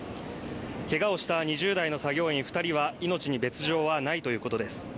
けがをした２０代の作業員２人は命に別状はないということです。